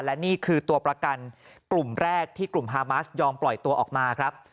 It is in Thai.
และนี่คือตัวประกันกลุ่มแรกที่กลุ่มฮามาสยอมปล่อยตัวออกมาครับ